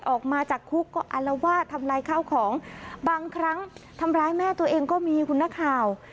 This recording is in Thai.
ออกมาจากคุกก็อารวาสทำลายข้าวของบางครั้งทำร้ายแม่ตัวเองก็มีคุณนักข่าว